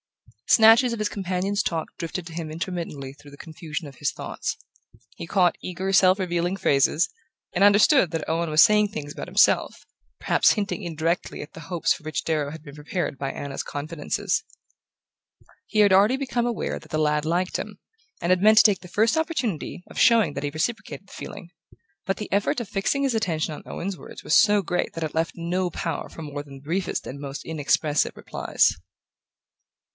Snatches of his companion's talk drifted to him intermittently through the confusion of his thoughts. He caught eager self revealing phrases, and understood that Owen was saying things about himself, perhaps hinting indirectly at the hopes for which Darrow had been prepared by Anna's confidences. He had already become aware that the lad liked him, and had meant to take the first opportunity of showing that he reciprocated the feeling. But the effort of fixing his attention on Owen's words was so great that it left no power for more than the briefest and most inexpressive replies.